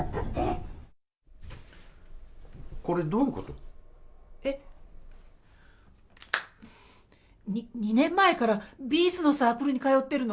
これ、えっ？に、２年前からビーズのサークルに通っているの。